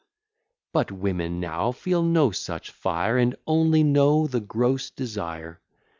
But women now feel no such fire, And only know the gross desire.